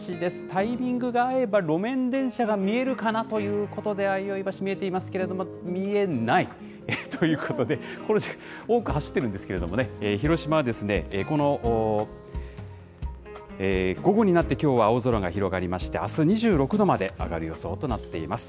タイミングが合えば、路面電車が見えるかなということで、あいおい橋、見えていますけど、見えない、ということで、これ、多く走ってるんですけどね、広島ですね、この、午後になってきょうは青空が広がりまして、あす２６度まで上がる予想となっています。